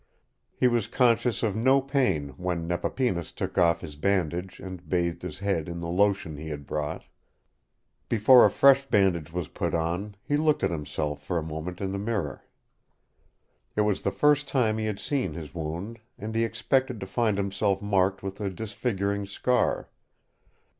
He was conscious of no pain when Nepapinas took off his bandage and bathed his head in the lotion he had brought. Before a fresh bandage was put on, he looked at himself for a moment in the mirror. It was the first time he had seen his wound, and he expected to find himself marked with a disfiguring scar.